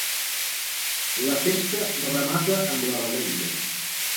La festa remata amb la revetlla.